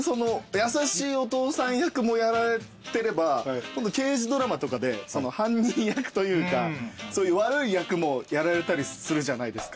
優しいお父さん役もやられてれば刑事ドラマとかで犯人役というかそういう悪い役もやられたりするじゃないですか。